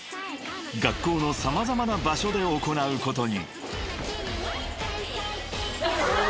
［学校の様々な場所で行うことに］